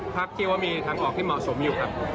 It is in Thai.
คิดว่ามีทางออกที่เหมาะสมอยู่ครับ